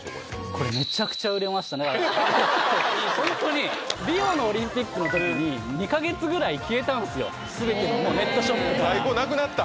これホントにリオのオリンピックの時に２か月ぐらい消えたんすよ全てのもうネットショップから在庫なくなった！